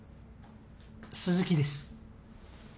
鈴木です